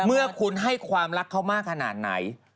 เมื่อคุณให้ความรักเขามากขนาดไหน